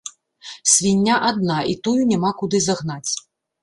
Свіння адна, і тую няма куды загнаць.